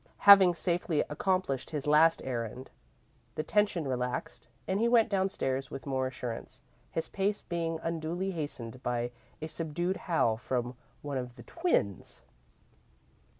Having safely accomplished his last errand, the tension relaxed, and he went downstairs with more assurance, his pace being unduly hastened by a subdued howl from one of the twins.